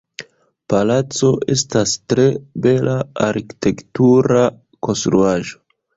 Palaco estas tre bela arkitektura konstruaĵo.